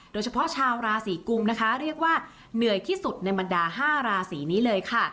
ชาวราศีกุมนะคะเรียกว่าเหนื่อยที่สุดในบรรดา๕ราศีนี้เลยค่ะ